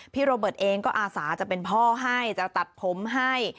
โรเบิร์ตเองก็อาสาจะเป็นพ่อให้จะตัดผมให้